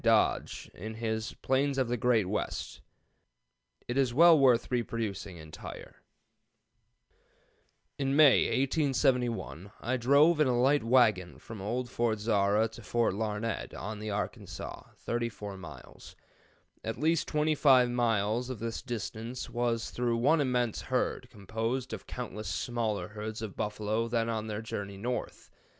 Dodge in his "Plains of the Great West," p. 120, et seq. It is well worth reproducing entire: "In May, 1871, I drove in a light wagon from Old Fort Zara to Fort Larned, on the Arkansas, 34 miles. At least 25 miles of this distance was through one immense herd, composed of countless smaller herds of buffalo then on their journey north.